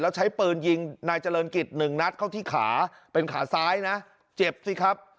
แล้วใช้ปืนยิงนายเจริญกิจหนึ่งนัดเข้าที่ขาเป็นขาซ้ายนะเจ็บสิครับ